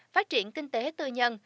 phát triển kinh tế tư nhân